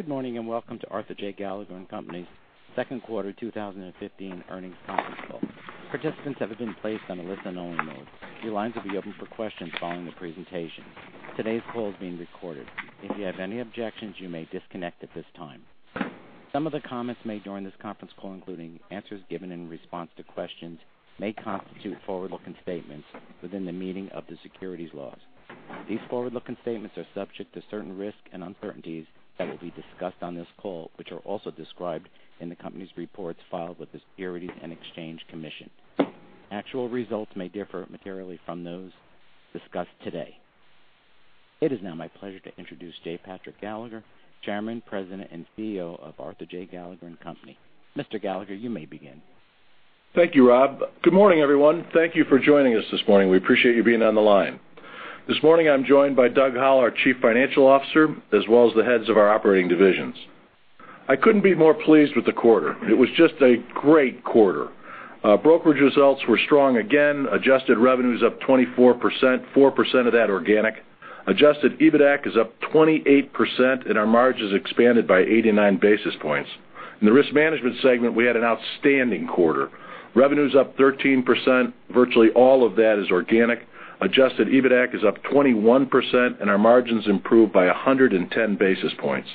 Good morning, welcome to Arthur J. Gallagher & Company's second quarter 2015 earnings conference call. Participants have been placed on a listen-only mode. Your lines will be open for questions following the presentation. Today's call is being recorded. If you have any objections, you may disconnect at this time. Some of the comments made during this conference call, including answers given in response to questions, may constitute forward-looking statements within the meaning of the securities laws. These forward-looking statements are subject to certain risks and uncertainties that will be discussed on this call, which are also described in the company's reports filed with the Securities and Exchange Commission. Actual results may differ materially from those discussed today. It is now my pleasure to introduce J. Patrick Gallagher, Chairman, President, and CEO of Arthur J. Gallagher & Company. Mr. Gallagher, you may begin. Thank you, Rob. Good morning, everyone. Thank you for joining us this morning. We appreciate you being on the line. This morning, I'm joined by Doug Howell, our Chief Financial Officer, as well as the heads of our operating divisions. I couldn't be more pleased with the quarter. It was just a great quarter. Brokerage results were strong again, adjusted revenues up 24%, 4% of that organic. Adjusted EBITAC is up 28%, and our margins expanded by 89 basis points. In the risk management segment, we had an outstanding quarter. Revenues up 13%, virtually all of that is organic. Adjusted EBITAC is up 21%, and our margins improved by 110 basis points.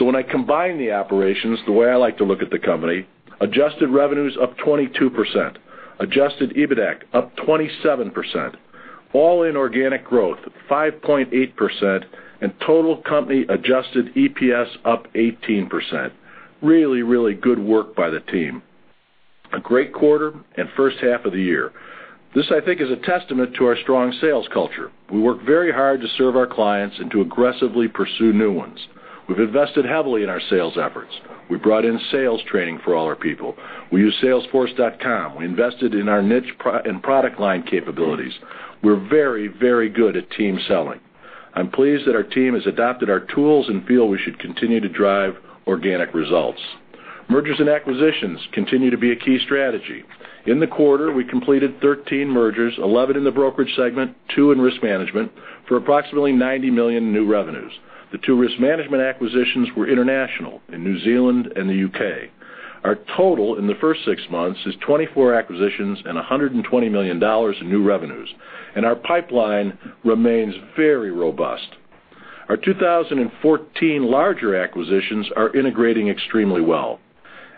When I combine the operations, the way I like to look at the company, adjusted revenues up 22%, adjusted EBITAC up 27%, all in organic growth, 5.8%, and total company adjusted EPS up 18%. Really, really good work by the team. A great quarter and first half of the year. This, I think, is a testament to our strong sales culture. We work very hard to serve our clients and to aggressively pursue new ones. We've invested heavily in our sales efforts. We've brought in sales training for all our people. We use salesforce.com. We invested in our niche and product line capabilities. We're very, very good at team selling. I'm pleased that our team has adopted our tools and feel we should continue to drive organic results. Mergers and acquisitions continue to be a key strategy. In the quarter, we completed 13 mergers, 11 in the brokerage segment, 2 in risk management, for approximately $90 million in new revenues. The 2 risk management acquisitions were international, in New Zealand and the U.K. Our total in the first 6 months is 24 acquisitions and $120 million in new revenues, our pipeline remains very robust. Our 2014 larger acquisitions are integrating extremely well.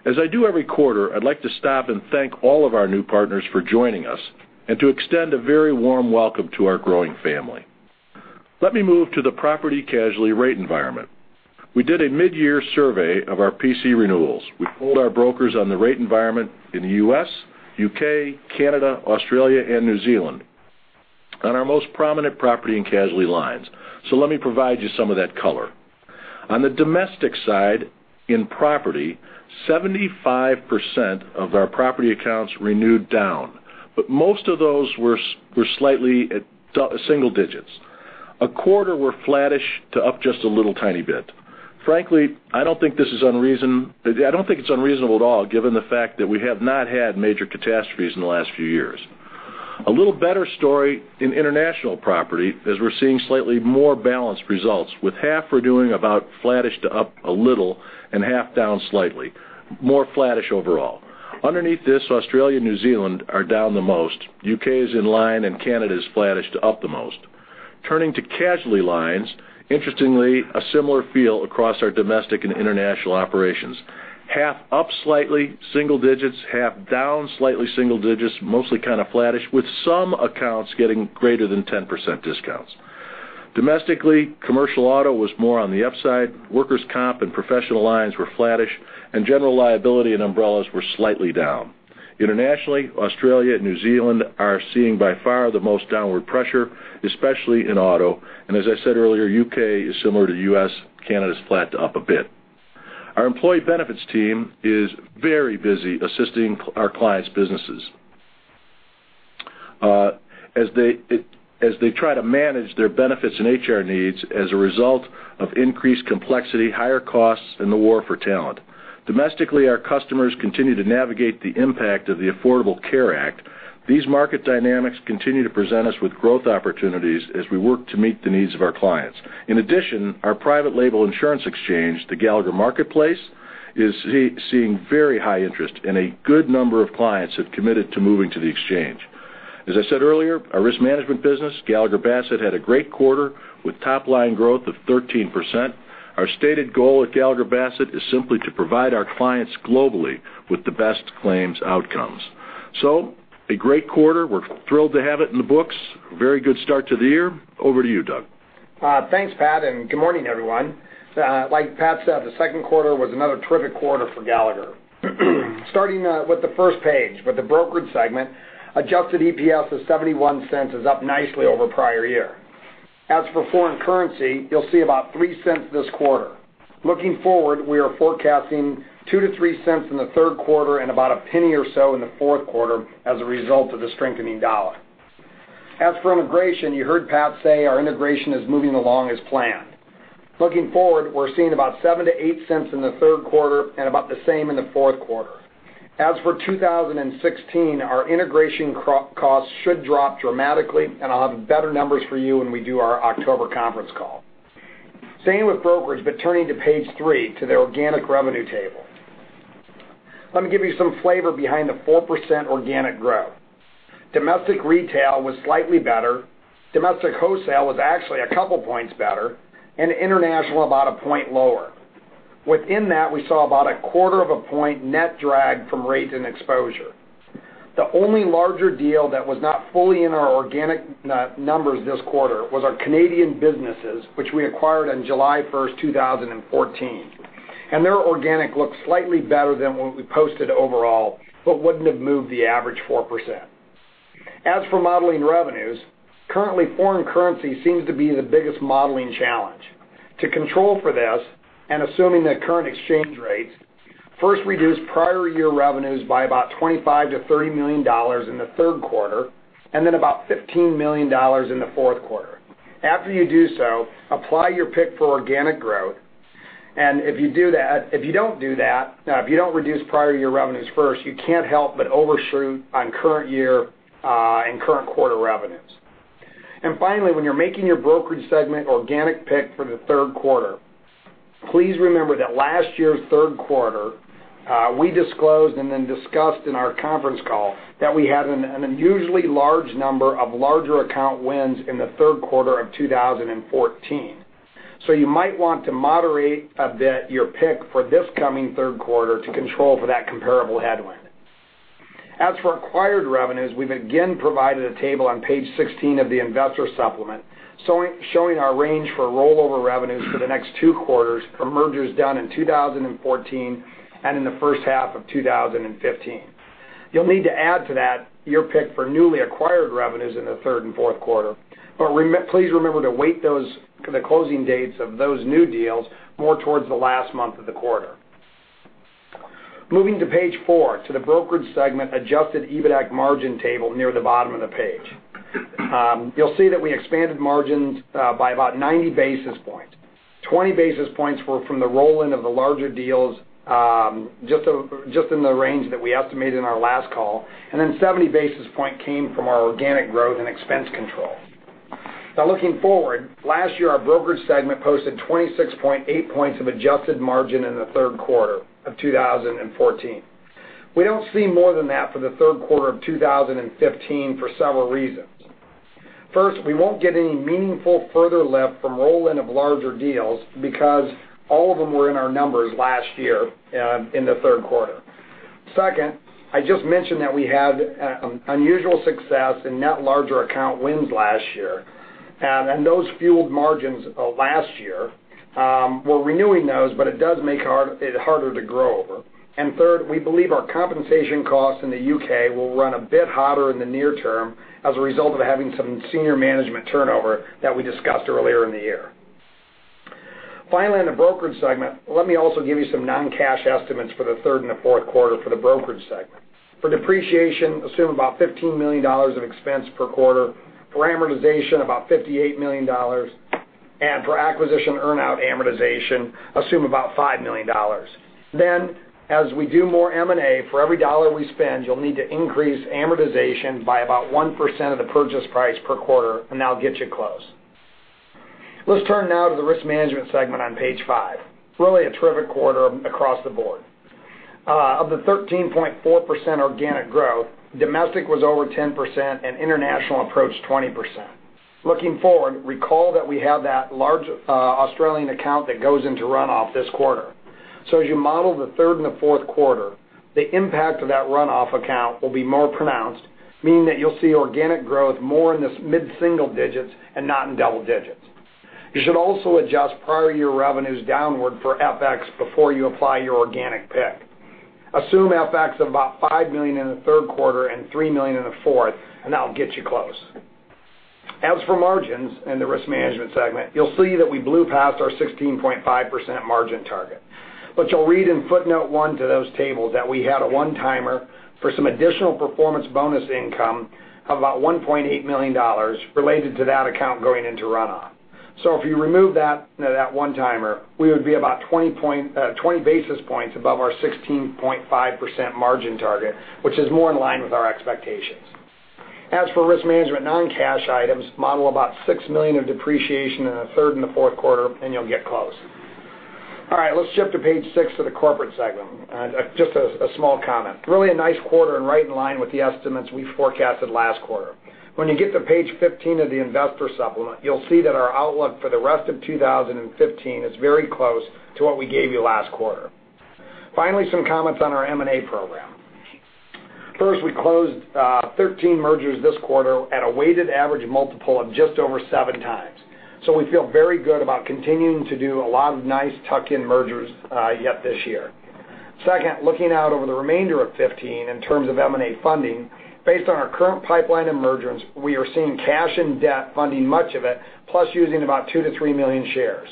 As I do every quarter, I'd like to stop and thank all of our new partners for joining us and to extend a very warm welcome to our growing family. Let me move to the property casualty rate environment. We did a mid-year survey of our PC renewals. We polled our brokers on the rate environment in the U.S., U.K., Canada, Australia, and New Zealand on our most prominent property and casualty lines. Let me provide you some of that color. On the domestic side, in property, 75% of our property accounts renewed down, but most of those were slightly at single digits. A quarter were flattish to up just a little tiny bit. Frankly, I don't think it's unreasonable at all given the fact that we have not had major catastrophes in the last few years. A little better story in international property, as we're seeing slightly more balanced results, with half we're doing about flattish to up a little and half down slightly. More flattish overall. Underneath this, Australia and New Zealand are down the most. U.K. is in line, and Canada is flattish to up the most. Turning to casualty lines, interestingly, a similar feel across our domestic and international operations. Half up slightly, single digits, half down slightly, single digits, mostly kind of flattish, with some accounts getting greater than 10% discounts. Domestically, commercial auto was more on the upside, workers' comp and professional lines were flattish, and general liability and umbrellas were slightly down. Internationally, Australia and New Zealand are seeing by far the most downward pressure, especially in auto. As I said earlier, U.K. is similar to U.S., Canada is flat to up a bit. Our employee benefits team is very busy assisting our clients' businesses as they try to manage their benefits and HR needs as a result of increased complexity, higher costs, and the war for talent. Domestically, our customers continue to navigate the impact of the Affordable Care Act. These market dynamics continue to present us with growth opportunities as we work to meet the needs of our clients. In addition, our private label insurance exchange, the Gallagher Marketplace, is seeing very high interest, and a good number of clients have committed to moving to the exchange. As I said earlier, our risk management business, Gallagher Bassett, had a great quarter, with top-line growth of 13%. Our stated goal at Gallagher Bassett is simply to provide our clients globally with the best claims outcomes. A great quarter. We're thrilled to have it in the books. Very good start to the year. Over to you, Doug. Thanks, Pat, good morning, everyone. Like Pat said, the second quarter was another terrific quarter for Gallagher. Starting with the first page, with the brokerage segment, adjusted EPS of $0.71 is up nicely over prior year. As for foreign currency, you'll see about $0.03 this quarter. Looking forward, we are forecasting $0.02-$0.03 in the third quarter and about $0.01 or so in the fourth quarter as a result of the strengthening dollar. As for integration, you heard Pat say our integration is moving along as planned. Looking forward, we're seeing about $0.07-$0.08 in the third quarter and about the same in the fourth quarter. As for 2016, our integration costs should drop dramatically, and I'll have better numbers for you when we do our October conference call. Same with brokerage, turning to page three to the organic revenue table. Let me give you some flavor behind the 4% organic growth. Domestic retail was slightly better, domestic wholesale was actually a couple points better, and international, about a point lower. Within that, we saw about a quarter of a point net drag from rates and exposure. The only larger deal that was not fully in our organic numbers this quarter was our Canadian businesses, which we acquired on July 1st, 2014. Their organic looks slightly better than what we posted overall, but wouldn't have moved the average 4%. As for modeling revenues, currently foreign currency seems to be the biggest modeling challenge. To control for this, assuming that current exchange rates first reduce prior year revenues by about $25 million-$30 million in the third quarter, then about $15 million in the fourth quarter. After you do so, apply your pick for organic growth. If you don't do that, if you don't reduce prior year revenues first, you can't help but overshoot on current year and current quarter revenues. Finally, when you're making your brokerage segment organic pick for the third quarter, please remember that last year's third quarter, we disclosed and then discussed in our conference call that we had an unusually large number of larger account wins in the third quarter of 2014. You might want to moderate a bit your pick for this coming third quarter to control for that comparable headwind. As for acquired revenues, we've again provided a table on page 16 of the investor supplement showing our range for rollover revenues for the next two quarters for mergers done in 2014 and in the first half of 2015. You'll need to add to that your pick for newly acquired revenues in the third and fourth quarter. Please remember to weight the closing dates of those new deals more towards the last month of the quarter. Moving to page four to the brokerage segment adjusted EBITAC margin table near the bottom of the page. You'll see that we expanded margins by about 90 basis points. 20 basis points were from the roll-in of the larger deals just in the range that we estimated in our last call. Then 70 basis point came from our organic growth and expense control. Looking forward, last year, our brokerage segment posted 26.8 points of adjusted margin in the third quarter of 2014. We don't see more than that for the third quarter of 2015 for several reasons. First, we won't get any meaningful further lift from roll-in of larger deals because all of them were in our numbers last year in the third quarter. Second, I just mentioned that we had unusual success in net larger account wins last year, and those fueled margins last year. We're renewing those, but it does make it harder to grow over. Third, we believe our compensation costs in the U.K. will run a bit hotter in the near term as a result of having some senior management turnover that we discussed earlier in the year. Finally, in the brokerage segment, let me also give you some non-cash estimates for the third and the fourth quarter for the brokerage segment. For depreciation, assume about $15 million of expense per quarter. For amortization, about $58 million. For acquisition earn-out amortization, assume about $5 million. As we do more M&A, for every dollar we spend, you'll need to increase amortization by about 1% of the purchase price per quarter, and that'll get you close. Let's turn now to the risk management segment on page five. Really a terrific quarter across the board. Of the 13.4% organic growth, domestic was over 10% and international approached 20%. Looking forward, recall that we have that large Australian account that goes into runoff this quarter. As you model the third and the fourth quarter, the impact of that runoff account will be more pronounced, meaning that you'll see organic growth more in this mid-single digits and not in double digits. You should also adjust prior year revenues downward for FX before you apply your organic pick. Assume FX of about $5 million in the third quarter and $3 million in the fourth, and that'll get you close. As for margins in the risk management segment, you'll see that we blew past our 16.5% margin target. You'll read in footnote one to those tables that we had a one-timer for some additional performance bonus income of about $1.8 million related to that account going into runoff. If you remove that one-timer, we would be about 20 basis points above our 16.5% margin target, which is more in line with our expectations. As for risk management non-cash items, model about $6 million of depreciation in the third and the fourth quarter, and you'll get close. All right. Let's shift to page six of the corporate segment. Just a small comment. Really a nice quarter and right in line with the estimates we forecasted last quarter. When you get to page 15 of the investor supplement, you'll see that our outlook for the rest of 2015 is very close to what we gave you last quarter. Finally, some comments on our M&A program. First, we closed 13 mergers this quarter at a weighted average multiple of just over seven times. We feel very good about continuing to do a lot of nice tuck-in mergers yet this year. Second, looking out over the remainder of 2015 in terms of M&A funding, based on our current pipeline of mergers, we are seeing cash and debt funding much of it, plus using about two to three million shares.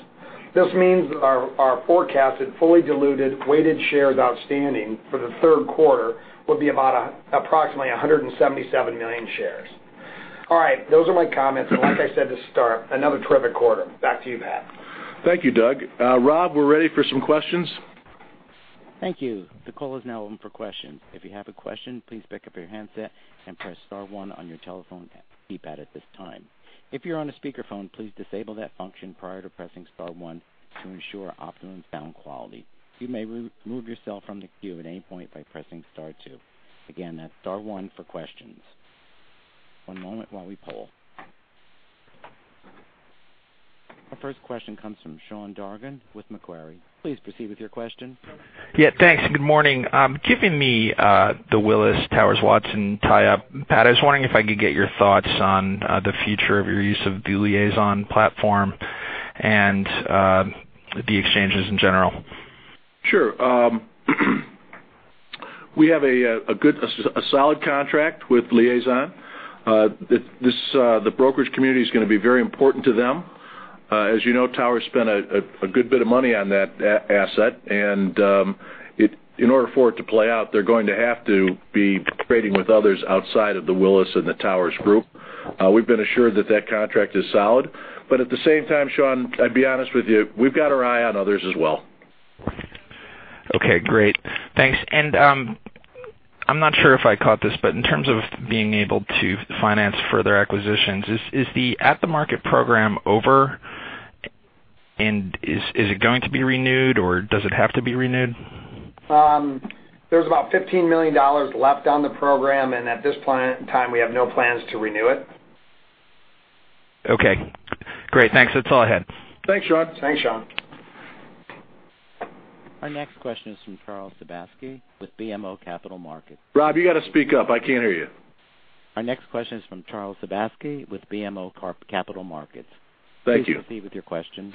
This means our forecasted fully diluted weighted shares outstanding for the third quarter will be about approximately 177 million shares. All right. Those are my comments. Like I said at the start, another terrific quarter. Back to you, Pat. Thank you, Doug. Rob, we're ready for some questions. Thank you. The call is now open for questions. If you have a question, please pick up your handset and press star one on your telephone keypad at this time. If you're on a speakerphone, please disable that function prior to pressing star one to ensure optimum sound quality. You may remove yourself from the queue at any point by pressing star two. Again, that's star one for questions. One moment while we poll. Our first question comes from Sean Dargan with Macquarie. Please proceed with your question. Yeah, thanks. Good morning. Given the Willis Towers Watson tie-up, Pat, I was wondering if I could get your thoughts on the future of your use of the Liazon platform and the exchanges in general. Sure. We have a solid contract with Liazon. The brokerage community is going to be very important to them. As you know, Towers spent a good bit of money on that asset. In order for it to play out, they're going to have to be trading with others outside of the Willis and the Towers group. We've been assured that that contract is solid. At the same time, Sean, I'd be honest with you, we've got our eye on others as well. Okay, great. Thanks. I'm not sure if I caught this, in terms of being able to finance further acquisitions, is the at the market program over? Is it going to be renewed, or does it have to be renewed? There's about $15 million left on the program, and at this point in time, we have no plans to renew it. Okay, great. Thanks. That's all I had. Thanks, Sean. Thanks, Sean. Our next question is from Charles Sebaski with BMO Capital Markets. Bob, you got to speak up. I can't hear you. Our next question is from Charles Sebaski with BMO Capital Markets. Thank you. Please proceed with your question.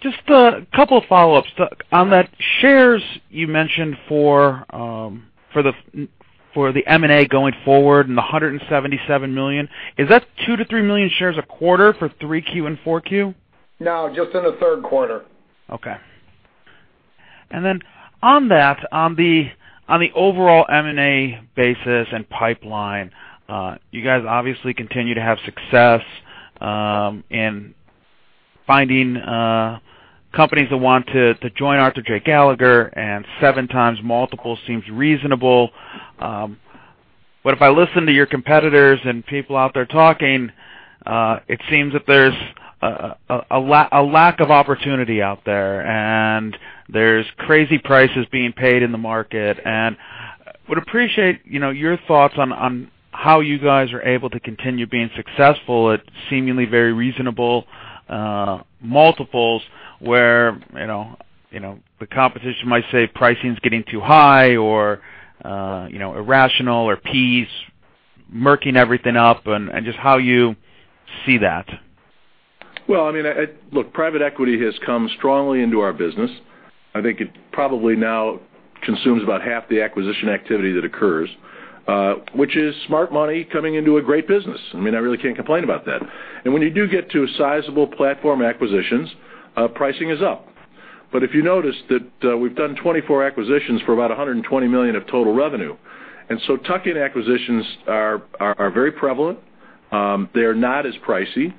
Just a couple of follow-ups. On that shares you mentioned for the M&A going forward and the $177 million, is that 2 million-3 million shares a quarter for three Q and four Q? No, just in the third quarter. Okay. Then on that, on the overall M&A basis and pipeline, you guys obviously continue to have success in finding companies that want to join Arthur J. Gallagher, seven times multiple seems reasonable. If I listen to your competitors and people out there talking, it seems that there's a lack of opportunity out there, and there's crazy prices being paid in the market. Would appreciate your thoughts on how you guys are able to continue being successful at seemingly very reasonable multiples, where the competition might say pricing is getting too high or irrational, or PE's murking everything up, and just how you see that. Look, private equity has come strongly into our business. I think it probably now consumes about half the acquisition activity that occurs, which is smart money coming into a great business. I really can't complain about that. When you do get to sizable platform acquisitions, pricing is up. But if you notice that we've done 24 acquisitions for about $120 million of total revenue. Tuck-in acquisitions are very prevalent. They are not as pricey,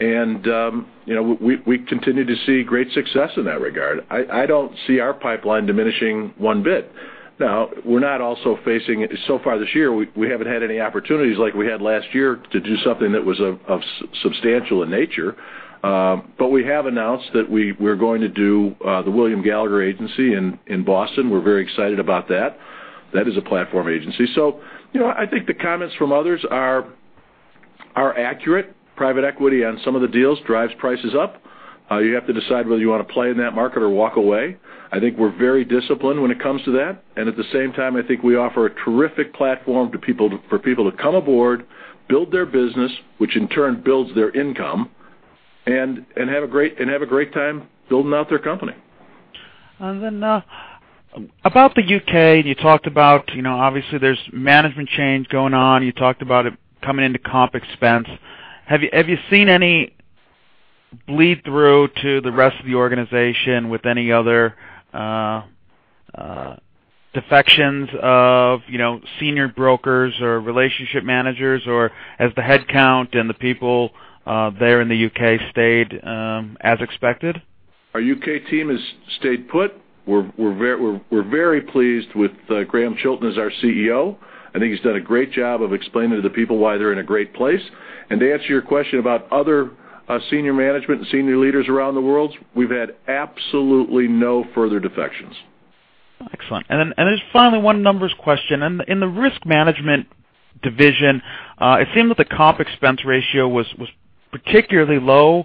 and we continue to see great success in that regard. I don't see our pipeline diminishing one bit. We're not also facing so far this year, we haven't had any opportunities like we had last year to do something that was substantial in nature. We have announced that we're going to do the William Gallagher agency in Boston. We're very excited about that. That is a platform agency. I think the comments from others are accurate. Private equity on some of the deals drives prices up. You have to decide whether you want to play in that market or walk away. I think we're very disciplined when it comes to that. At the same time, I think we offer a terrific platform for people to come aboard, build their business, which in turn builds their income, and have a great time building out their company. About the U.K., you talked about, obviously there's management change going on. You talked about it coming into comp expense. Have you seen any bleed through to the rest of the organization with any other defections of senior brokers or relationship managers, or has the headcount and the people there in the U.K. stayed as expected? Our U.K. team has stayed put. We're very pleased with Grahame Chilton as our CEO. I think he's done a great job of explaining to the people why they're in a great place. To answer your question about other senior management and senior leaders around the world, we've had absolutely no further defections. Excellent. Just finally, one numbers question. In the risk management division, it seemed that the comp expense ratio was particularly low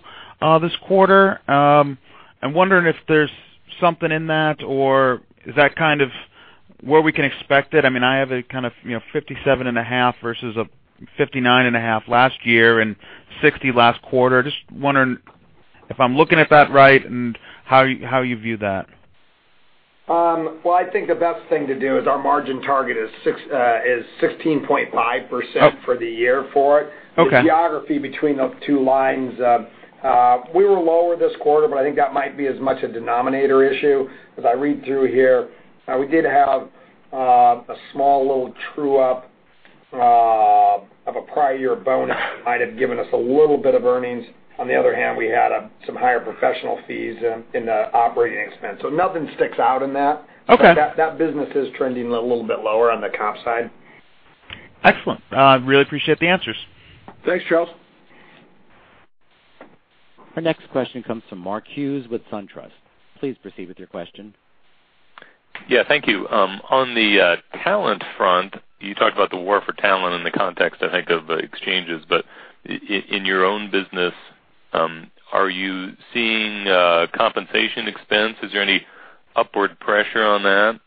this quarter. I'm wondering if there's something in that, or is that kind of where we can expect it? I have a kind of 57.5% versus a 59.5% last year and 60% last quarter. Just wondering if I'm looking at that right and how you view that? Well, I think the best thing to do is our margin target is 16.5% for the year for it. Okay. The geography between those two lines. We were lower this quarter, but I think that might be as much a denominator issue. As I read through here, we did have a small little true-up. Prior year bonus might have given us a little bit of earnings. On the other hand, we had some higher professional fees in the operating expense. Nothing sticks out in that. Okay. That business is trending a little bit lower on the comp side. Excellent. Really appreciate the answers. Thanks, Charles. Our next question comes from Mark Hughes with SunTrust. Please proceed with your question. Yeah, thank you. On the talent front, you talked about the war for talent in the context, I think, of exchanges. In your own business, are you seeing compensation expense? Is there any upward pressure on that?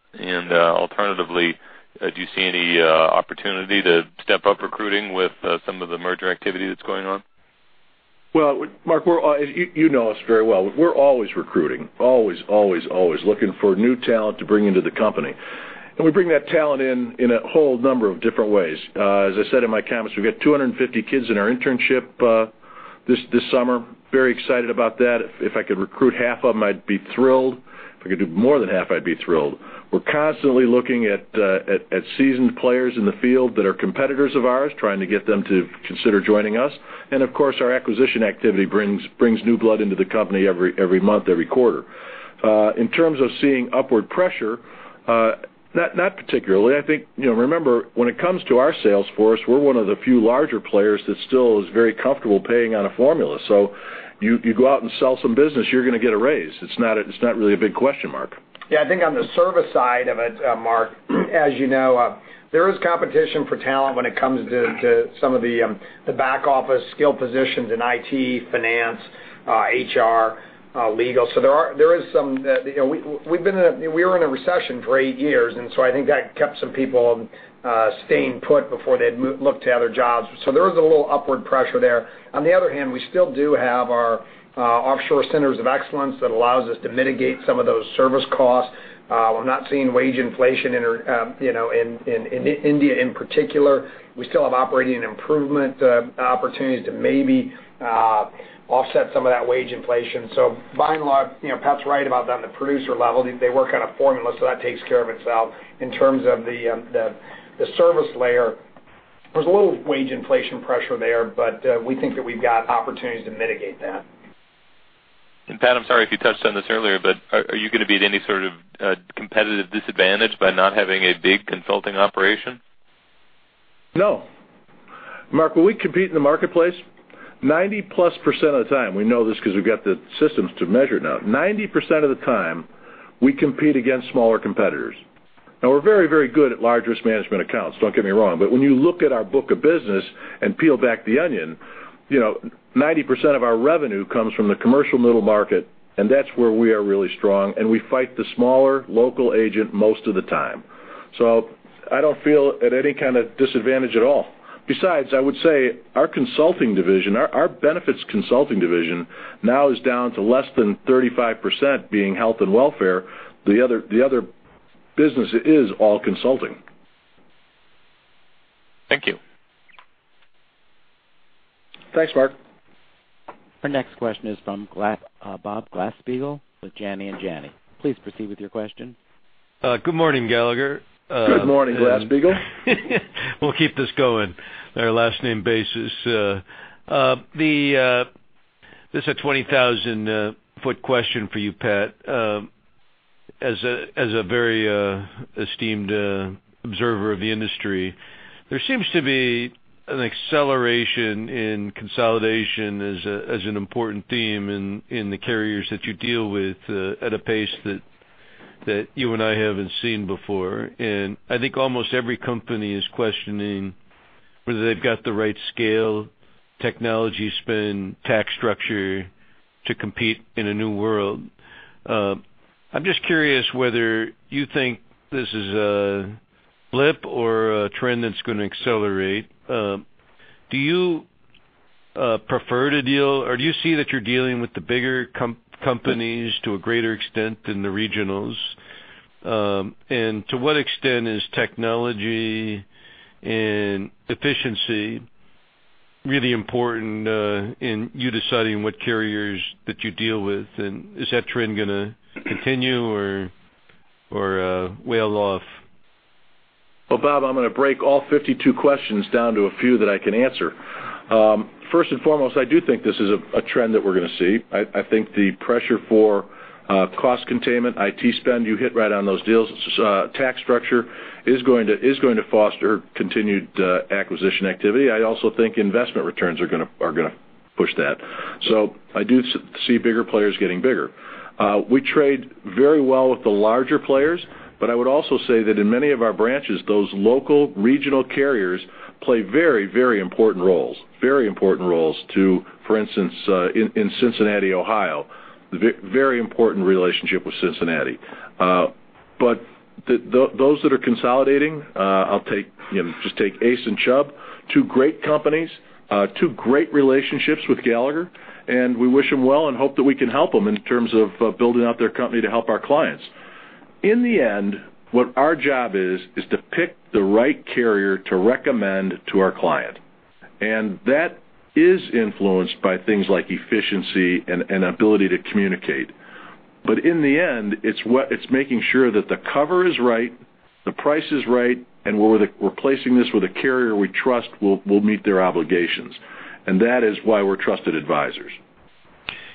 Alternatively, do you see any opportunity to step up recruiting with some of the merger activity that's going on? Well, Mark, you know us very well. We're always recruiting. Always looking for new talent to bring into the company. We bring that talent in a whole number of different ways. As I said in my comments, we've got 250 kids in our internship this summer. Very excited about that. If I could recruit half of them, I'd be thrilled. If I could do more than half, I'd be thrilled. We're constantly looking at seasoned players in the field that are competitors of ours, trying to get them to consider joining us. Of course, our acquisition activity brings new blood into the company every month, every quarter. In terms of seeing upward pressure, not particularly. I think, remember, when it comes to our sales force, we're one of the few larger players that still is very comfortable paying on a formula. You go out and sell some business, you're going to get a raise. It's not really a big question, Mark. Yeah, I think on the service side of it, Mark, as you know, there is competition for talent when it comes to some of the back office skilled positions in IT, finance, HR, legal. We were in a recession for eight years, I think that kept some people staying put before they'd looked to other jobs. There is a little upward pressure there. On the other hand, we still do have our offshore centers of excellence that allows us to mitigate some of those service costs. We're not seeing wage inflation in India in particular. We still have operating improvement opportunities to maybe offset some of that wage inflation. By and large, Pat's right about that. On the producer level, they work on a formula, that takes care of itself. In terms of the service layer, there's a little wage inflation pressure there, we think that we've got opportunities to mitigate that. Pat, I'm sorry if you touched on this earlier, are you going to be at any sort of competitive disadvantage by not having a big consulting operation? No. Mark, when we compete in the marketplace, 90-plus % of the time, we know this because we've got the systems to measure it now. 90% of the time, we compete against smaller competitors. We're very good at large risk management accounts, don't get me wrong. When you look at our book of business and peel back the onion, 90% of our revenue comes from the commercial middle market, and that's where we are really strong, and we fight the smaller local agent most of the time. I don't feel at any kind of disadvantage at all. Besides, I would say our consulting division, our benefits consulting division now is down to less than 35% being health and welfare. The other business is all consulting. Thank you. Thanks, Mark. Our next question is from Bob Glasspiegel with Janney Montgomery Scott. Please proceed with your question. Good morning, Gallagher. Good morning, Glasspiegel. We'll keep this going, our last name basis. This is a 20,000-foot question for you, Pat. As a very esteemed observer of the industry, there seems to be an acceleration in consolidation as an important theme in the carriers that you deal with at a pace that you and I haven't seen before. I think almost every company is questioning whether they've got the right scale, technology spend, tax structure to compete in a new world. I'm just curious whether you think this is a blip or a trend that's going to accelerate. Do you see that you're dealing with the bigger companies to a greater extent than the regionals? To what extent is technology and efficiency really important in you deciding what carriers that you deal with? Is that trend going to continue or wane off? Well, Bob, I'm going to break all 52 questions down to a few that I can answer. First and foremost, I do think this is a trend that we're going to see. I think the pressure for cost containment, IT spend, you hit right on those deals. Tax structure is going to foster continued acquisition activity. I also think investment returns are going to push that. I do see bigger players getting bigger. We trade very well with the larger players, but I would also say that in many of our branches, those local regional carriers play very important roles. Very important roles to, for instance, in Cincinnati, Ohio. Very important relationship with Cincinnati. Those that are consolidating, just take ACE and Chubb, two great companies, two great relationships with Gallagher, and we wish them well and hope that we can help them in terms of building out their company to help our clients. In the end, what our job is to pick the right carrier to recommend to our client. That is influenced by things like efficiency and ability to communicate. In the end, it's making sure that the cover is right, the price is right, and we're replacing this with a carrier we trust will meet their obligations. That is why we're trusted advisors.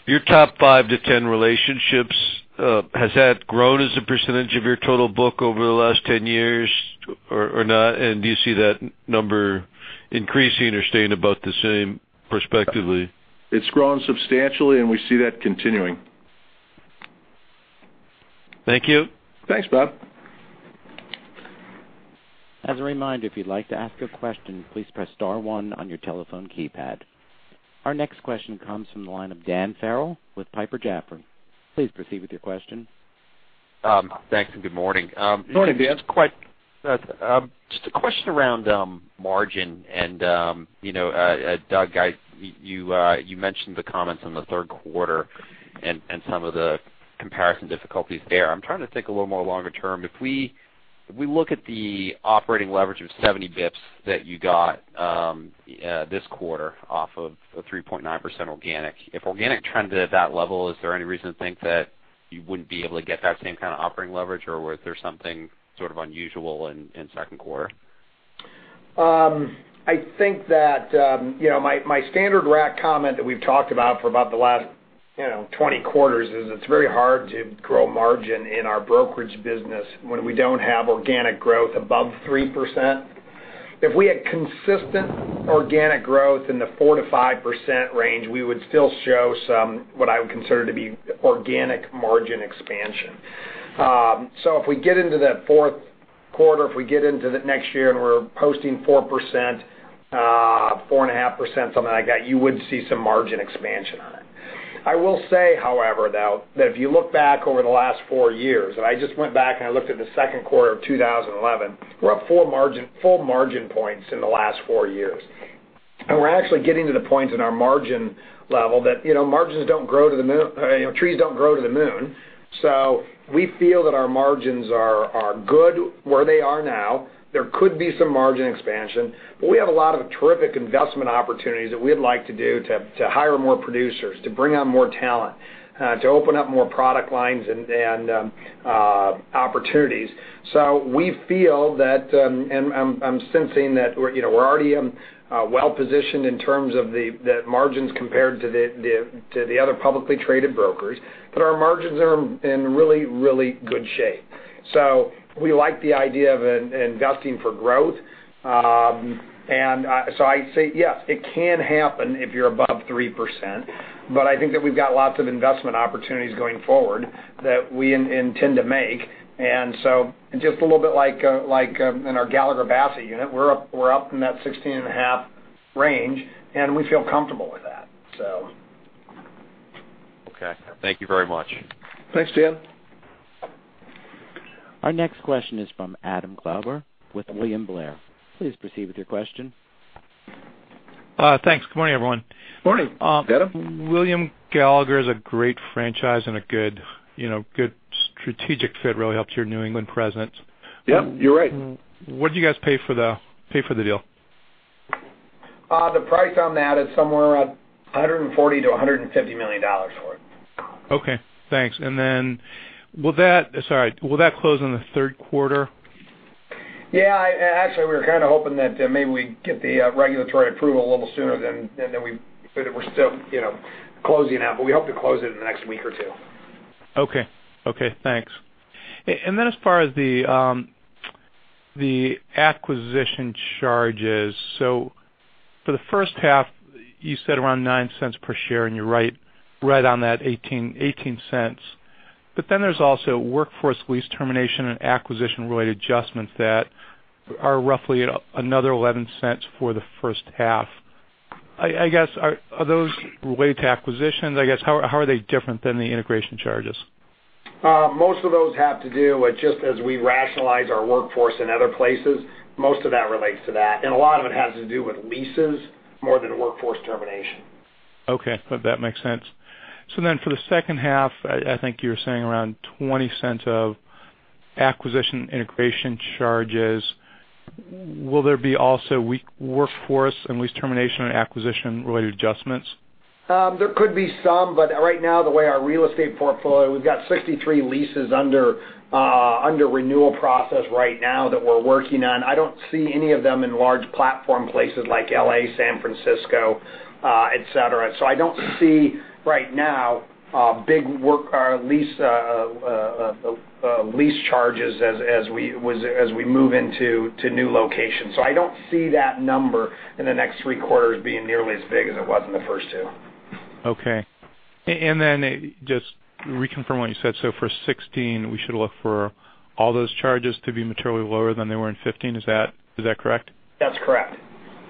Your top 5 to 10 relationships, has that grown as a percentage of your total book over the last 10 years or not? Do you see that number increasing or staying about the same perspectively? It's grown substantially, and we see that continuing. Thank you. Thanks, Bob. As a reminder, if you'd like to ask a question, please press star one on your telephone keypad. Our next question comes from the line of Dan Farrell with Piper Jaffray. Please proceed with your question. Thanks, good morning. Good morning, Dan. Just a question around margin. Doug, you mentioned the comments on the third quarter and some of the comparison difficulties there. I'm trying to think a little more longer term. If we look at the operating leverage of 70 basis points that you got this quarter off of 3.9% organic. If organic trended at that level, is there any reason to think that you wouldn't be able to get that same kind of operating leverage, or was there something sort of unusual in second quarter? I think that my standard rack comment that we've talked about for about the last 20 quarters is it's very hard to grow margin in our brokerage business when we don't have organic growth above 3%. If we had consistent organic growth in the 4%-5% range, we would still show some, what I would consider to be organic margin expansion. If we get into that fourth quarter, if we get into the next year we're posting 4%, 4.5%, something like that, you would see some margin expansion on it. I will say, however, though, that if you look back over the last four years, I just went back and I looked at the second quarter of 2011, we're up four margin points in the last four years. We're actually getting to the point in our margin level that margins don't grow to the moon. Trees don't grow to the moon. We feel that our margins are good where they are now. There could be some margin expansion, but we have a lot of terrific investment opportunities that we'd like to do to hire more producers, to bring on more talent, to open up more product lines and opportunities. We feel that, and I'm sensing that we're already well-positioned in terms of the margins compared to the other publicly traded brokers. Our margins are in really, really good shape. We like the idea of investing for growth. I say, yes, it can happen if you're above 3%, but I think that we've got lots of investment opportunities going forward that we intend to make. Just a little bit like in our Gallagher Bassett unit, we're up in that 16.5% range, and we feel comfortable with that. Okay. Thank you very much. Thanks, Dan. Our next question is from Adam Klauber with William Blair. Please proceed with your question. Thanks. Good morning, everyone. Morning, Adam. William Gallagher is a great franchise and a good strategic fit, really helps your New England presence. Yep, you're right. What'd you guys pay for the deal? The price on that is somewhere around $140 million-$150 million for it. Okay, thanks. Sorry. Will that close in the third quarter? Yeah. Actually, we were kind of hoping that maybe we'd get the regulatory approval a little sooner than we. We're still closing now, but we hope to close it in the next week or two. Okay. Thanks. As far as the acquisition charges. For the first half, you said around $0.09 per share, and you're right on that $0.18. There's also workforce lease termination and acquisition-related adjustments that are roughly another $0.11 for the first half. I guess, are those related to acquisitions? I guess, how are they different than the integration charges? Most of those have to do with just as we rationalize our workforce in other places, most of that relates to that. A lot of it has to do with leases more than workforce termination. Okay. That makes sense. For the second half, I think you were saying around $0.20 of acquisition, integration charges. Will there be also workforce and lease termination and acquisition-related adjustments? There could be some. Right now, the way our real estate portfolio, we've got 63 leases under renewal process right now that we're working on. I don't see any of them in large platform places like L.A., San Francisco, et cetera. I don't see right now big work or lease charges as we move into new locations. I don't see that number in the next three quarters being nearly as big as it was in the first two. Okay. Just to reconfirm what you said. For 2016, we should look for all those charges to be materially lower than they were in 2015. Is that correct? That's correct.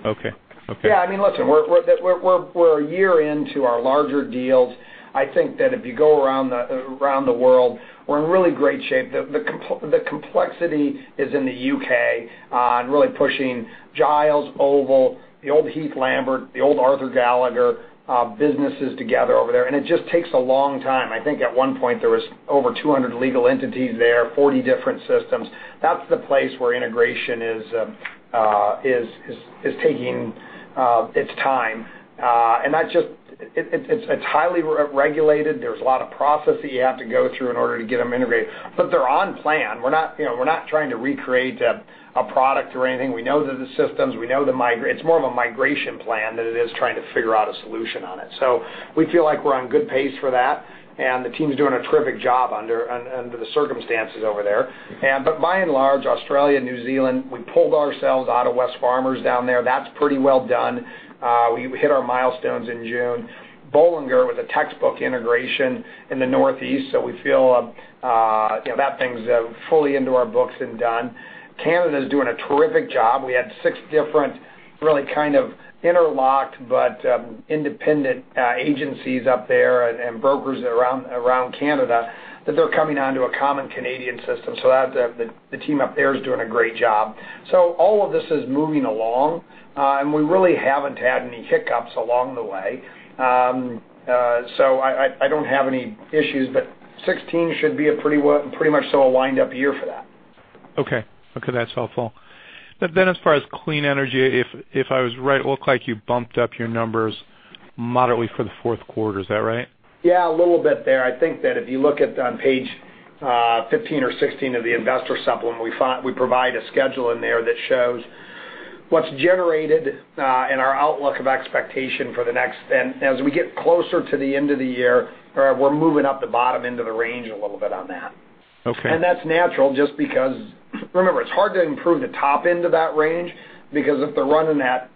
Okay. I mean, listen, we're a year into our larger deals. I think that if you go around the world, we're in really great shape. The complexity is in the U.K., really pushing Giles Oval, the old Heath Lambert, the old Arthur J. Gallagher businesses together over there. It just takes a long time. I think at one point, there was over 200 legal entities there, 40 different systems. That's the place where integration is taking its time. It's highly regulated. There's a lot of process that you have to go through in order to get them integrated. They're on plan. We're not trying to recreate a product or anything. We know the systems. It's more of a migration plan than it is trying to figure out a solution on it. We feel like we're on good pace for that, the team's doing a terrific job under the circumstances over there. By and large, Australia, New Zealand, we pulled ourselves out of Wesfarmers down there. That's pretty well done. We hit our milestones in June. Bollinger was a textbook integration in the Northeast, we feel that thing's fully into our books and done. Canada's doing a terrific job. We had six different, really kind of interlocked, but independent agencies up there and brokers around Canada, that they're coming onto a common Canadian system. The team up there is doing a great job. All of this is moving along, and we really haven't had any hiccups along the way. I don't have any issues, but 2016 should be a pretty much so a lined up year for that. Okay. That's helpful. As far as clean energy, if I was right, it looked like you bumped up your numbers moderately for the fourth quarter. Is that right? Yeah, a little bit there. I think that if you look at on page 15 or 16 of the investor supplement, we provide a schedule in there that shows what's generated, and our outlook of expectation for the next. As we get closer to the end of the year, we're moving up the bottom end of the range a little bit on that. Okay. That's natural just because, remember, it's hard to improve the top end of that range, because if they're running at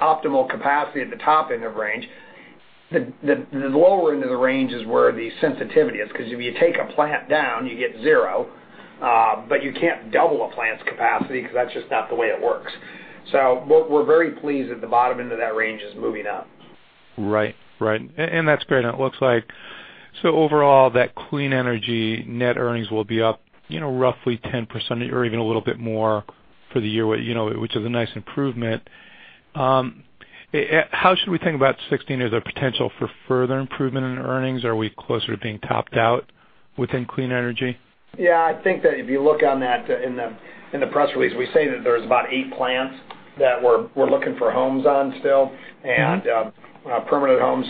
optimal capacity at the top end of range, the lower end of the range is where the sensitivity is. If you take a plant down, you get zero. You can't double a plant's capacity, because that's just not the way it works. We're very pleased that the bottom end of that range is moving up. Right. That's great. It looks like overall, that clean energy net earnings will be up roughly 10% or even a little bit more for the year, which is a nice improvement. How should we think about 2016? Is there potential for further improvement in earnings? Are we closer to being topped out within clean energy? Yeah, I think that if you look on that in the press release, we say that there's about eight plants that we're looking for homes on still. permanent homes.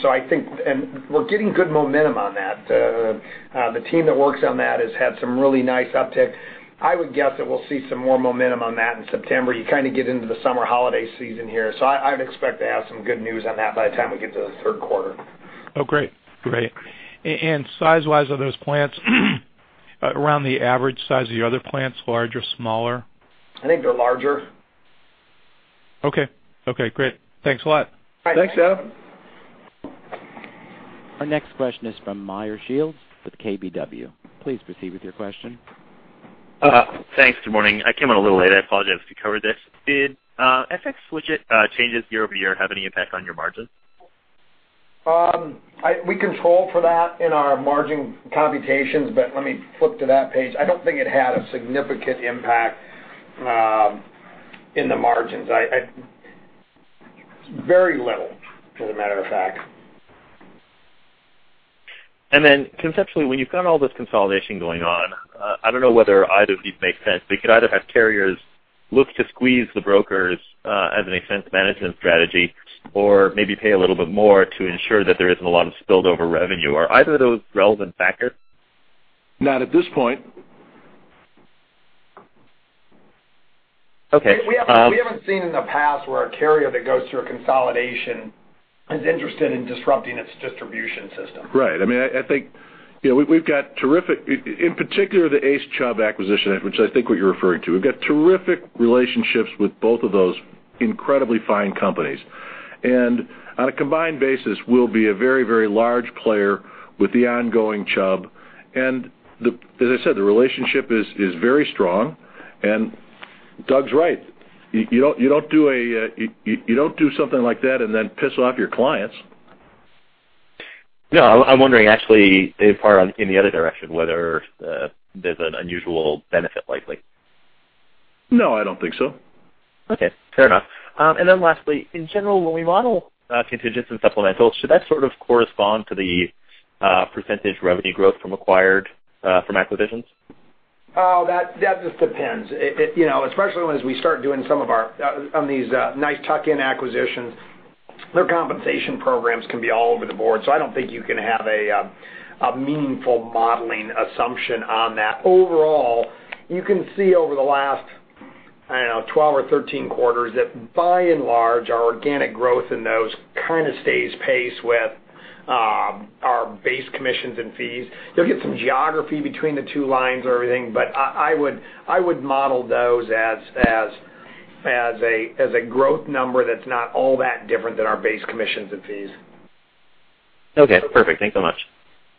We're getting good momentum on that. The team that works on that has had some really nice uptick. I would guess that we'll see some more momentum on that in September. You kind of get into the summer holiday season here. I'd expect to have some good news on that by the time we get to the third quarter. Oh, great. Size-wise, are those plants around the average size of your other plants? Larger? Smaller? I think they're larger. Okay, great. Thanks a lot. Thanks, Adam. Our next question is from Meyer Shields with KBW. Please proceed with your question. Thanks. Good morning. I came in a little late. I apologize if you covered this. Did FX widget changes year-over-year have any impact on your margins? We control for that in our margin computations, Let me flip to that page. I don't think it had a significant impact in the margins. Very little, as a matter of fact. Then conceptually, when you've got all this consolidation going on, I don't know whether either of these make sense. We could either have carriers look to squeeze the brokers as an expense management strategy or maybe pay a little bit more to ensure that there isn't a lot of spilled over revenue. Are either of those relevant factors? Not at this point. Okay. We haven't seen in the past where a carrier that goes through a consolidation is interested in disrupting its distribution system. Right. I think we've got terrific, in particular, the ACE Chubb acquisition, which I think what you're referring to. We've got terrific relationships with both of those incredibly fine companies. On a combined basis, we'll be a very, very large player with the ongoing Chubb. As I said, the relationship is very strong. Doug's right. You don't do something like that and then piss off your clients. No, I'm wondering actually if part in the other direction, whether there's an unusual benefit likely. No, I don't think so. Okay, fair enough. Lastly, in general, when we model contingents and supplementals, should that sort of correspond to the % revenue growth from acquisitions? That just depends. Especially when as we start doing some of these nice tuck-in acquisitions, their compensation programs can be all over the board. I don't think you can have a meaningful modeling assumption on that. Overall, you can see over the last, I don't know, 12 or 13 quarters that by and large, our organic growth in those kind of stays pace with our base commissions and fees. You'll get some geography between the two lines or everything, I would model those as a growth number that's not all that different than our base commissions and fees. Okay, perfect. Thanks so much.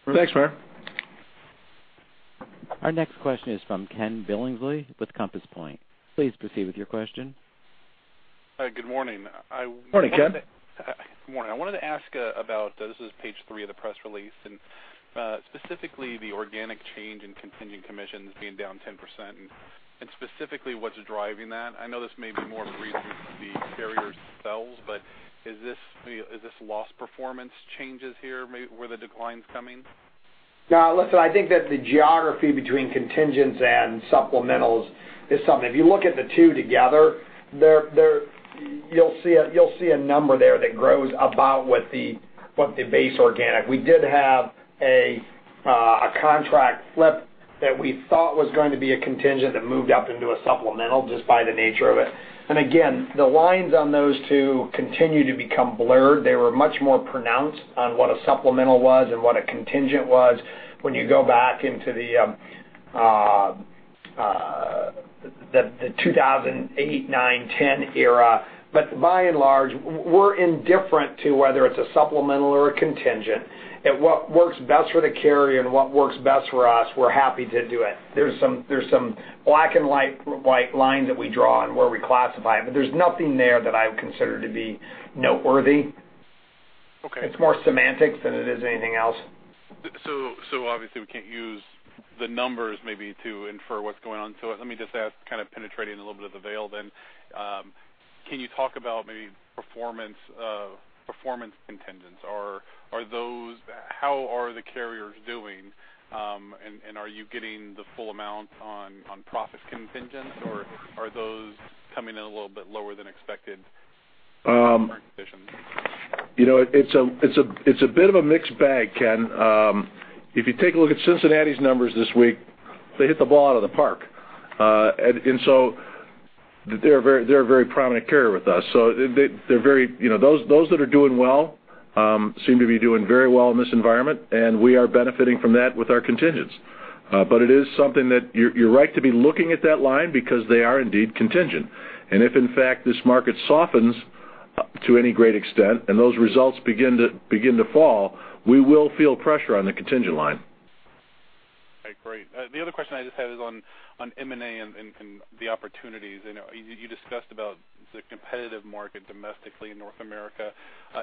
Thanks, Meyer. Our next question is from Ken Billingsley with Compass Point. Please proceed with your question. Good morning. Morning, Ken. Good morning. I wanted to ask about, this is page three of the press release, and specifically the organic change in contingent commissions being down 10%, and specifically what's driving that. I know this may be more of a read through the carriers themselves, but is this loss performance changes here maybe where the decline's coming? Listen, I think that the geography between contingents and supplementals is something. If you look at the two together, you'll see a number there that grows about what the base organic. We did have a contract flip that we thought was going to be a contingent that moved up into a supplemental just by the nature of it. Again, the lines on those two continue to become blurred. They were much more pronounced on what a supplemental was and what a contingent was when you go back into the 2008, 2009, 2010 era. By and large, we're indifferent to whether it's a supplemental or a contingent. What works best for the carrier and what works best for us, we're happy to do it. There's some black and white lines that we draw and where we classify them, but there's nothing there that I would consider to be noteworthy. Okay. It's more semantics than it is anything else. Obviously, we can't use the numbers maybe to infer what's going on. Let me just ask, kind of penetrating a little bit of the veil then. Can you talk about maybe performance contingents? How are the carriers doing? Are you getting the full amount on profit contingents, or are those coming in a little bit lower than expected current positions? It's a bit of a mixed bag, Ken. If you take a look at Cincinnati's numbers this week, they hit the ball out of the park. They're a very prominent carrier with us. Those that are doing well, seem to be doing very well in this environment, and we are benefiting from that with our contingents. It is something that you're right to be looking at that line because they are indeed contingent. If in fact this market softens to any great extent and those results begin to fall, we will feel pressure on the contingent line. Okay, great. The other question I just had is on M&A and the opportunities. You discussed about the competitive market domestically in North America,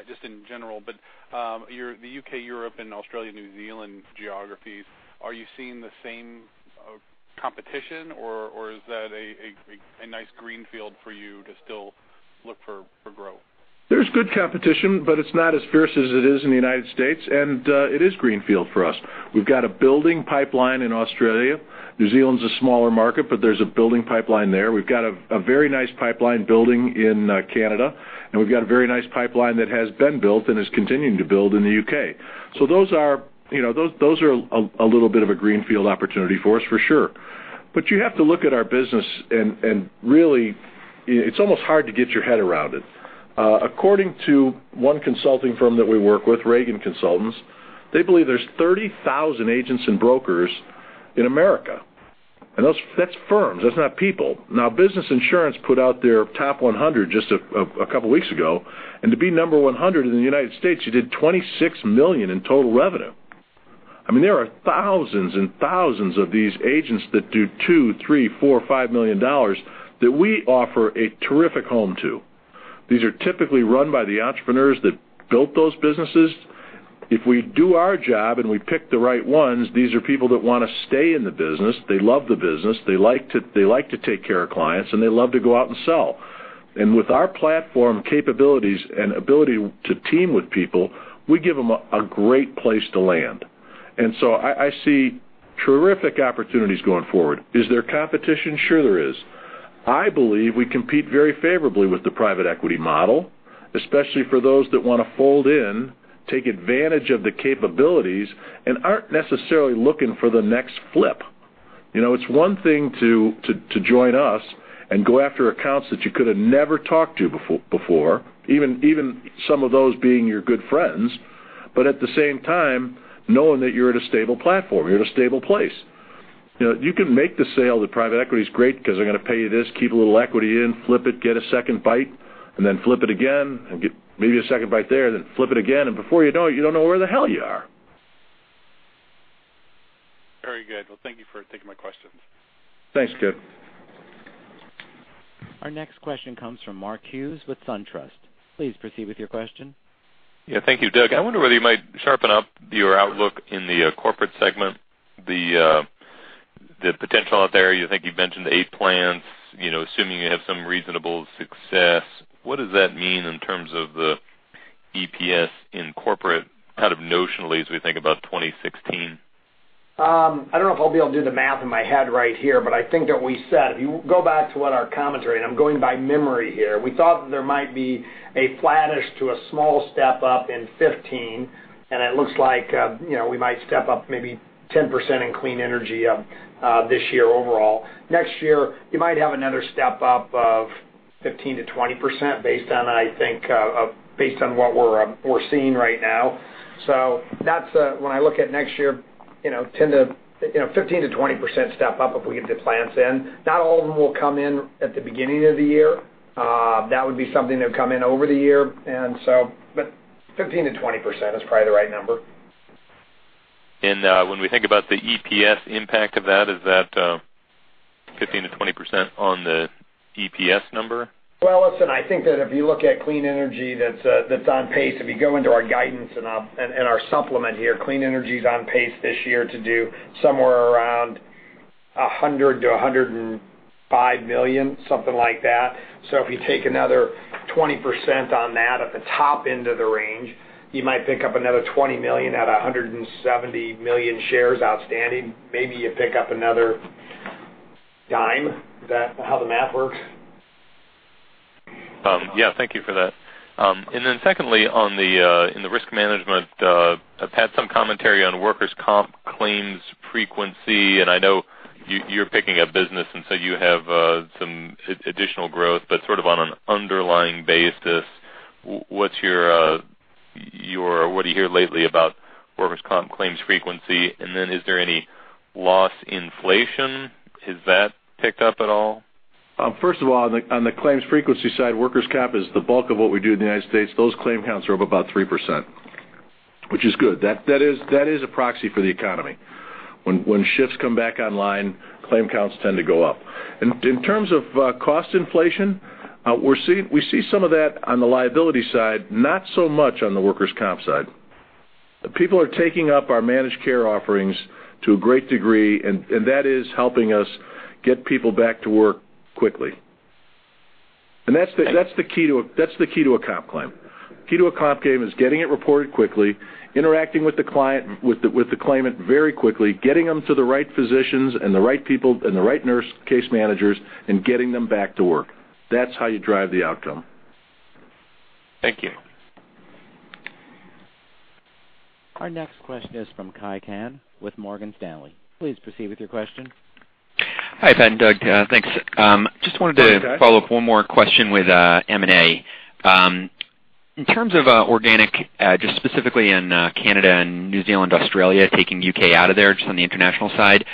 just in general. The U.K., Europe, and Australia, New Zealand geographies, are you seeing the same competition, or is that a nice greenfield for you to still look for growth? There's good competition, but it's not as fierce as it is in the United States, and it is greenfield for us. We've got a building pipeline in Australia. New Zealand's a smaller market, but there's a building pipeline there. We've got a very nice pipeline building in Canada, and we've got a very nice pipeline that has been built and is continuing to build in the U.K. Those are a little bit of a greenfield opportunity for us, for sure. You have to look at our business, and really, it's almost hard to get your head around it. According to one consulting firm that we work with, Reagan Consulting, they believe there's 30,000 agents and brokers in America, and that's firms, that's not people. Now, Business Insurance put out their top 100 just a couple of weeks ago, to be number 100 in the United States, you did $26 million in total revenue. There are thousands and thousands of these agents that do two, three, four, $5 million that we offer a terrific home to. These are typically run by the entrepreneurs that built those businesses. If we do our job and we pick the right ones, these are people that want to stay in the business. They love the business, they like to take care of clients, and they love to go out and sell. With our platform capabilities and ability to team with people, we give them a great place to land. I see terrific opportunities going forward. Is there competition? Sure there is. I believe we compete very favorably with the private equity model, especially for those that want to fold in, take advantage of the capabilities, and aren't necessarily looking for the next flip. It's one thing to join us and go after accounts that you could have never talked to before, even some of those being your good friends, but at the same time, knowing that you're at a stable platform, you're at a stable place. You can make the sale that private equity is great because they're going to pay you this, keep a little equity in, flip it, get a second bite, and then flip it again, and get maybe a second bite there, and then flip it again, and before you know it, you don't know where the hell you are. Very good. Well, thank you for taking my questions. Thanks, Ken. Our next question comes from Mark Hughes with SunTrust. Please proceed with your question. Yeah, thank you, Doug. I wonder whether you might sharpen up your outlook in the corporate segment, the potential out there. You think you've mentioned eight plans. Assuming you have some reasonable success, what does that mean in terms of the EPS in corporate, kind of notionally as we think about 2016? I don't know if I'll be able to do the math in my head right here. I think that we said, if you go back to what our commentary, and I'm going by memory here, we thought that there might be a flattish to a small step up in 2015, and it looks like we might step up maybe 10% in clean energy this year overall. Next year, you might have another step up of 15%-20% based on what we're seeing right now. When I look at next year, 15%-20% step up if we get the plans in. Not all of them will come in at the beginning of the year. That would be something that would come in over the year. 15%-20% is probably the right number. When we think about the EPS impact of that, is that 15%-20% on the EPS number? Well, listen, I think that if you look at clean energy that's on pace, if you go into our guidance and our supplement here, clean energy is on pace this year to do somewhere around $100 million-$105 million, something like that. If you take another 20% on that, at the top end of the range, you might pick up another $20 million at 170 million shares outstanding. Maybe you pick up another dime. Is that how the math works? Yeah. Thank you for that. Secondly, in the risk management, I've had some commentary on workers' comp claims frequency, and I know you're picking a business, and so you have some additional growth, but sort of on an underlying basis, what do you hear lately about workers' comp claims frequency? Is there any loss inflation? Has that picked up at all? First of all, on the claims frequency side, workers' comp is the bulk of what we do in the U.S. Those claim counts are up about 3%, which is good. That is a proxy for the economy. When shifts come back online, claim counts tend to go up. In terms of cost inflation, we see some of that on the liability side, not so much on the workers' comp side. People are taking up our managed care offerings to a great degree, and that is helping us get people back to work quickly. That's the key to a comp claim. The key to a comp claim is getting it reported quickly, interacting with the claimant very quickly, getting them to the right physicians and the right people and the right nurse case managers, and getting them back to work. That's how you drive the outcome. Thank you. Our next question is from Kai Pan with Morgan Stanley. Please proceed with your question. Hi, Pat and Doug. Thanks. Hi, Kai. Follow up one more question with M&A. In terms of organic, just specifically in Canada and New Zealand, Australia, taking U.K. out of there, just on the international side,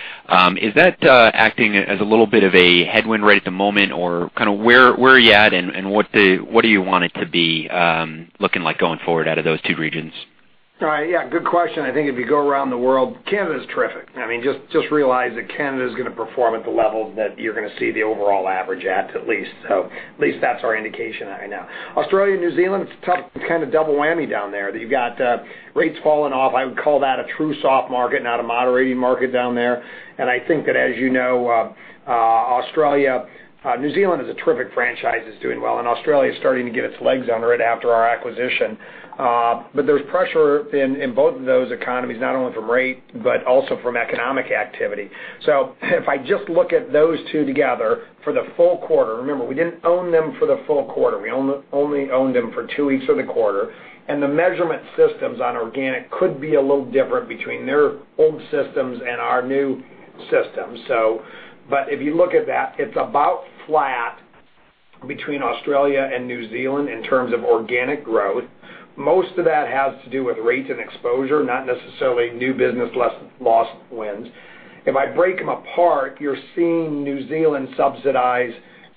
is that acting as a little bit of a headwind right at the moment? Where are you at and what do you want it to be looking like going forward out of those two regions? Yeah, good question. I think if you go around the world, Canada is terrific. Just realize that Canada is going to perform at the level that you're going to see the overall average at least. At least that's our indication right now. Australia and New Zealand, it's kind of double whammy down there, that you've got rates falling off. I would call that a true soft market, not a moderating market down there. I think that, as you know, New Zealand is a terrific franchise that's doing well, and Australia is starting to get its legs under it after our acquisition. There's pressure in both of those economies, not only from rate, but also from economic activity. If I just look at those two together for the full quarter, remember, we didn't own them for the full quarter. We only owned them for two weeks of the quarter. The measurement systems on organic could be a little different between their old systems and our new systems. If you look at that, it's about flat between Australia and New Zealand in terms of organic growth. Most of that has to do with rates and exposure, not necessarily new business loss wins. If I break them apart, you're seeing New Zealand subsidize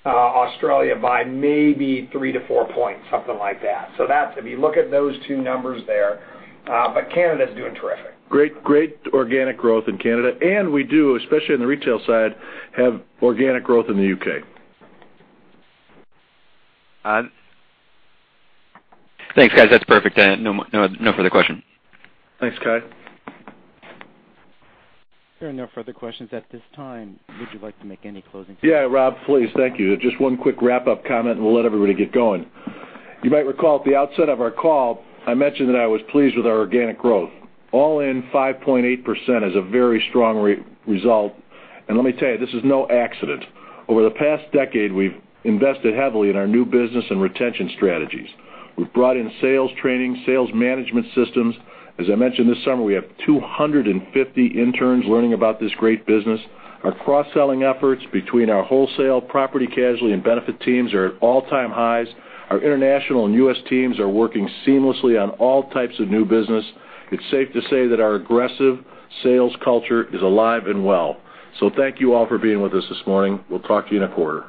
Australia by maybe 3 to 4 points, something like that. If you look at those two numbers there, but Canada is doing terrific. Great organic growth in Canada. We do, especially on the retail side, have organic growth in the U.K. Thanks, guys. That's perfect. No further questions. Thanks, Kai. If there are no further questions at this time, would you like to make any closing comments? Yeah, Rob, please. Thank you. Just one quick wrap-up comment, and we'll let everybody get going. You might recall at the outset of our call, I mentioned that I was pleased with our organic growth. All in 5.8% is a very strong result. Let me tell you, this is no accident. Over the past decade, we've invested heavily in our new business and retention strategies. We've brought in sales training, sales management systems. As I mentioned this summer, we have 250 interns learning about this great business. Our cross-selling efforts between our wholesale property casualty and benefit teams are at all-time highs. Our international and U.S. teams are working seamlessly on all types of new business. It's safe to say that our aggressive sales culture is alive and well. Thank you all for being with us this morning. We'll talk to you in a quarter.